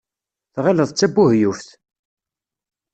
Tɣileḍ d tabuheyyuft.